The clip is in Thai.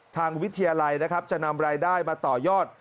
ทางวิทยาลัยนะครับจะนำรายได้มาต่อยอด